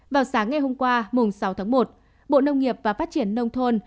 vào sáng ngày hôm qua mùng sáu tháng một bộ nông nghiệp và phát triển nông thôn